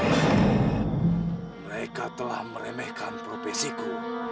mereka telah meremehkan profesiku